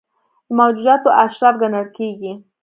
د موجوداتو اشرف ګڼل کېږي.